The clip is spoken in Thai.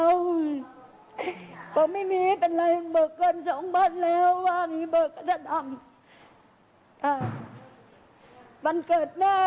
เกี่ยวของกับแม่นะบอกนี่ผมก็ไม่มีฉันก็เลยไม่เอา